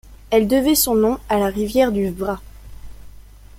Elle devait son nom à la rivière du Vrbas.